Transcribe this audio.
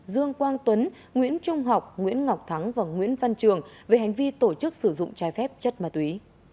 dương quang tuấn nguyễn trung học nguyễn ngọc thắng và nguyễn văn trường về hành vi tổ chức sử dụng trái phép chất ma túy